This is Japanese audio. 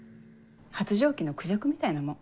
発情期のクジャクみたいなもん。